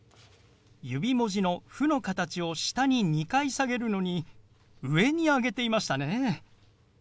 指文字の「フ」の形を下に２回下げるのに上に上げていましたね。